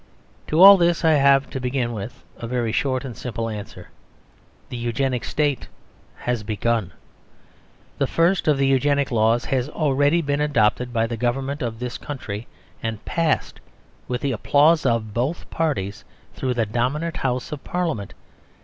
To all this I have, to begin with, a very short and simple answer. The Eugenic State has begun. The first of the Eugenic Laws has already been adopted by the Government of this country; and passed with the applause of both parties through the dominant House of Parliament.